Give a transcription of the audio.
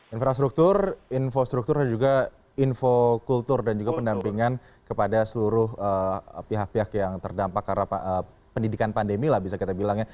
infrastruktur infrastruktur dan juga info kultur dan juga pendampingan kepada seluruh pihak pihak yang terdampak karena pendidikan pandemi lah bisa kita bilang ya